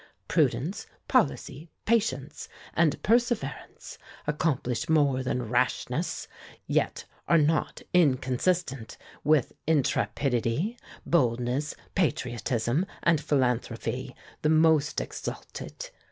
Prudence, policy, patience and perseverance accomplish more than rashness, yet are not inconsistent with intrepidity, boldness, patriotism and philanthropy the most exalted.